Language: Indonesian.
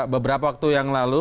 beberapa waktu yang lalu